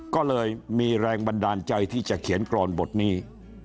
ก็เลยมีแรงบันดาลใจที่จะเขียนกรอนบทนี้